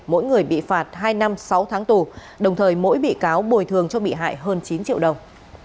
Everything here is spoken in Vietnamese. mỗi người bị phạt hai năm sáu tháng tù đồng thời mỗi bị cáo bồi thường cho bị hại hơn chín triệu đồng